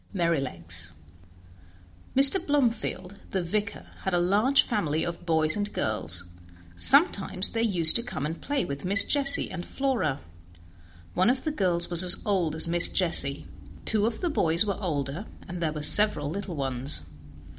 09 Merrylegs Mr. Blomefield, the vicar, had a large family of boys and girls; sometimes they used to come and play with Miss Jessie and Flora. One of the girls was as old as Miss Jessie; two of the boys were older, and there were several little ones.